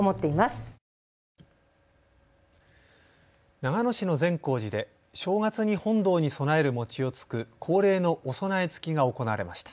長野市の善光寺で正月に本堂に供える餅をつく恒例のおそなえつきが行われました。